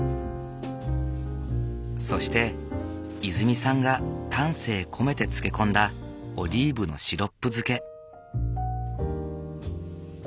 そしていづみさんが丹精込めて漬け込んだオリーブのシロップ漬け。